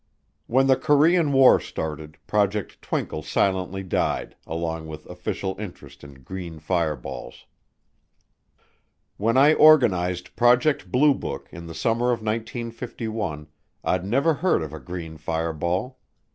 When the Korean War started, Project Twinkle silently died, along with official interest in green fireballs. When I organized Project Blue Book in the summer of 1951 I'd never heard of a green fireball.